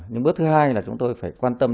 nhưng bước thứ hai là chúng tôi phải quan tâm